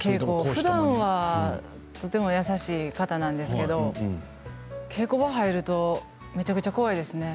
ふだんはとても優しい方なんですけど稽古場入るとめちゃくちゃ怖いですね。